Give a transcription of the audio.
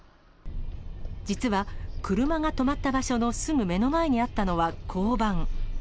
実は、車が止まった場所のすぐ目の前にあったのは交番。